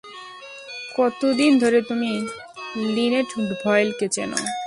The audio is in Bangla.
কতদিন ধরে তুমি লিনেট ডয়েলকে চেনো?